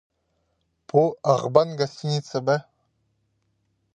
Пу "Ағбан" гостиница ба?